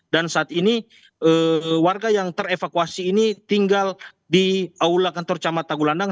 dan saat ini warga yang terevakuasi ini tinggal di aula kantor camat tahu pulandang